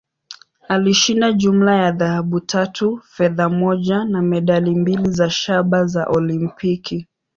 Alishinda jumla ya dhahabu tatu, fedha moja, na medali mbili za shaba za Olimpiki.